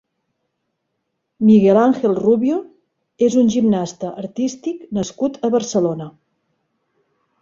Miguel Ángel Rubio és un gimnasta artístic nascut a Barcelona.